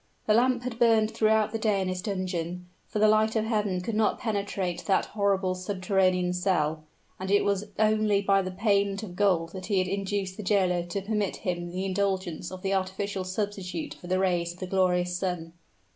The lamp had burned throughout the day in his dungeon; for the light of heaven could not penetrate that horrible subterranean cell and it was only by the payment of gold that he had induced the jailer to permit him the indulgence of the artificial substitute for the rays of the glorious sun.